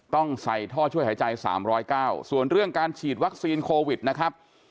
ต้องใส่ท่อช่วยหายใจ๓๐๙ส่วนเรื่องการฉีดวัคซีนโควิดนะครับ